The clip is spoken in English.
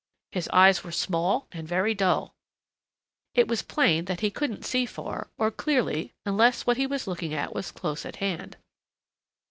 His eyes were small and very dull. It was plain that he couldn't see far, or clearly unless what he was looking at was close at hand.